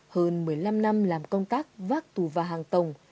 hơn một mươi năm năm làm công tác vác tù và hàng tổng